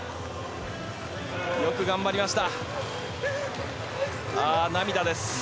よく頑張りました。